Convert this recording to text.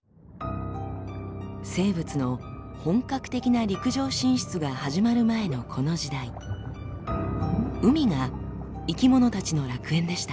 生物の本格的な陸上進出が始まる前のこの時代海が生き物たちの楽園でした。